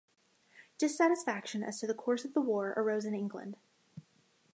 Dissatisfaction as to the course of the war arose in England.